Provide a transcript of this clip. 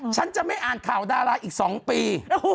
ฉันจะไม่อ่านข่าวดาราอีก๒ปี